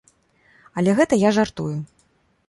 Але гэта я жартую!